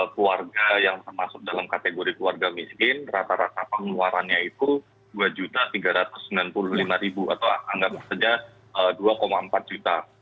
keluarga yang termasuk dalam kategori keluarga miskin rata rata pengeluarannya itu dua tiga ratus sembilan puluh lima atau anggap saja dua empat juta